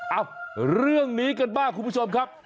เอ้าเรื่องนี้กันบ้างคุณผู้ชมครับ